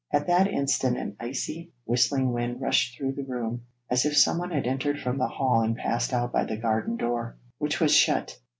At that instant an icy, whistling wind rushed through the room, as if someone had entered from the hall and passed out by the garden door, which was shut.